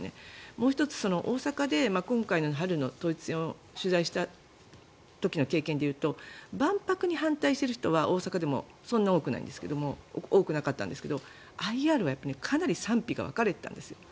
もう１つ、大阪で今回の春の統一選を取材した時の経験で言うと万博に反対している人は大阪でもそんな多くなかったんですけどＩＲはかなり賛否が分かれていたんです。